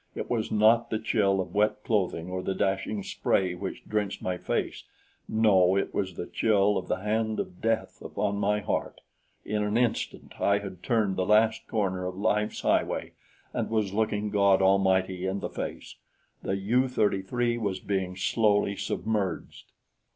It was not the chill of wet clothing, or the dashing spray which drenched my face; no, it was the chill of the hand of death upon my heart. In an instant I had turned the last corner of life's highway and was looking God Almighty in the face the U 33 was being slowly submerged!